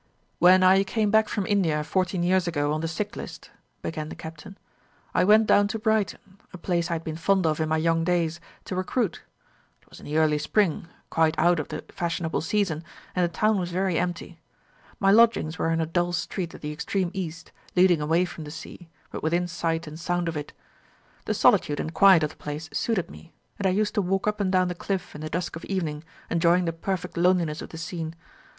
"When I came back from India fourteen years ago on the sick list," began the Captain, "I went down to Brighton, a place I had been fond of in my young days, to recruit. It was in the early spring, quite out of the fashionable season, and the town was very empty. My lodgings were in a dull street at the extreme east, leading away from the sea, but within sight and sound of it. The solitude and quiet of the place suited me; and I used to walk up and down the cliff in the dusk of evening enjoying the perfect loneliness of the scene.